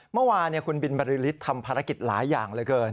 เมื่อวานคุณบินบรรลือฤทธิ์ทำภารกิจหลายอย่างเลยเกิน